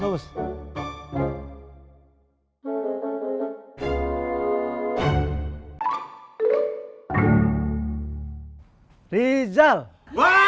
abus abus abus